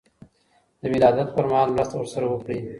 د ولادت پر مهال مرسته ورسره وکړئ.